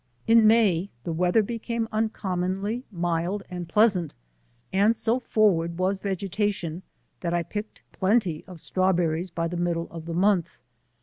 In May, the weather became uncommonly mild and pleasant, and so forward was vegetation, that I picked plenty of strawberries by the middle of the mocth.